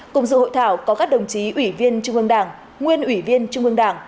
cùng dự hội thảo có các đồng chí ủy viên trung ương đảng nguyên ủy viên trung ương đảng